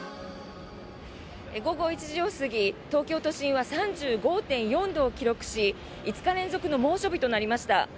午後１時を過ぎ東京都心は３５．４度を記録し５日連続の猛暑日となりました。